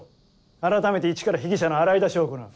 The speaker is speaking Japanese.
あらためていちから被疑者の洗い出しを行う。